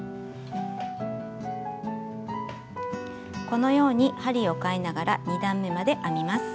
このように針をかえながら２段めまで編みます。